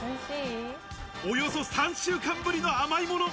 およそ３週間ぶりの甘いもの。